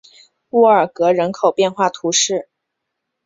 洛尔格人口变化图示